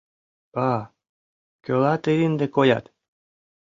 Ба, кӧла тый ынде коят?!